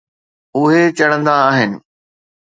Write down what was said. اهي چڙهندا آهن.